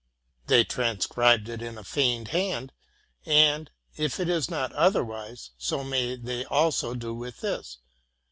They transcribed it in a feigned hand ; and, if it is not otherwise, so may they also do with this.